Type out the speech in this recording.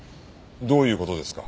どういう事ですか？